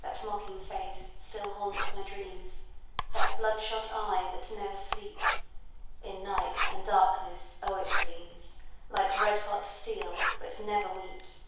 That mocking face still haunts my dreams, That blood shot eye that never sleeps, In night and darkness oh, it gleams, Like red hot steel but never weeps!